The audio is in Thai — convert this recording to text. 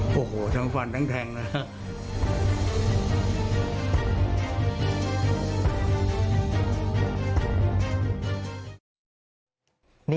มือฟัน